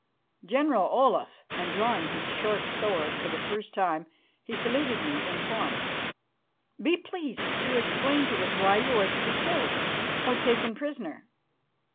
General Olaf," and drawing his short sword for the first time, he saluted me in form, "be pleased to explain to us why you are to be killed or taken prisoner."